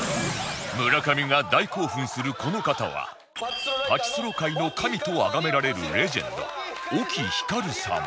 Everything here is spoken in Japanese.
村上が大興奮するこの方はパチスロ界の神とあがめられるレジェンド沖ヒカルさん